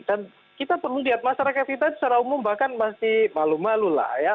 dan kita perlu lihat masyarakat kita secara umum bahkan masih malu malu lah ya